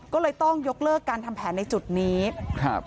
ก็เลยต้องยกเลิกการทำแผนในจุดนี้ครับ